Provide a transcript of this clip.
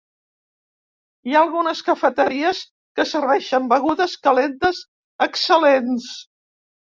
Hi ha algunes cafeteries que serveixen begudes calentes excel·lents.